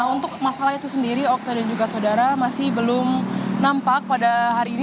untuk masalah itu sendiri okta dan juga saudara masih belum nampak pada hari ini